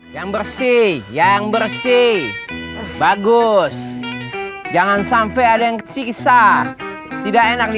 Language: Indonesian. yang bersih yang bersih bagus jangan sampai ada yang siksa tidak enak di